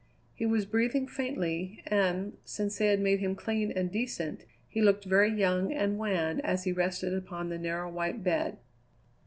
He was breathing faintly, and, since they had made him clean and decent, he looked very young and wan as he rested upon the narrow, white bed.